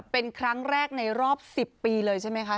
เป็นครั้งแรกในรอบ๑๐ปีเลยใช่ไหมคะ